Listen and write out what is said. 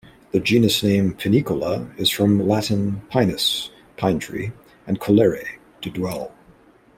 The genus name "Pinicola" is from Latin "pinus", "pine tree", and "colere", "to dwell".